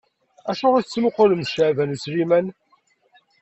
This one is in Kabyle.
Acuɣeṛ i tettmuqqulemt Caɛban U Sliman?